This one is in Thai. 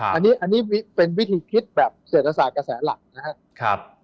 อันนี้เป็นวิธีคิดแบบเศรษฐศาสตร์กระแสหลักนะครับ